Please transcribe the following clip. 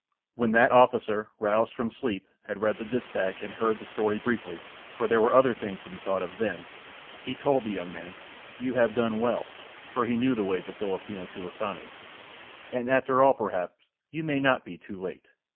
When that officer, roused from sleep, had read the dispatch and heard the story briefly, for there were other things to be thought of then, he told the young man, "You have done well," for he knew the ways of Filipino "tulisanes," "and after all perhaps you may not be too late."